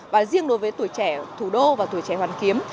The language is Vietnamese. và riêng đối với tuổi trẻ thủ đô và tuổi trẻ hoàn kiếm